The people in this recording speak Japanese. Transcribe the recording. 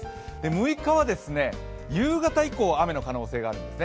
６日は夕方以降雨の可能性があるんです。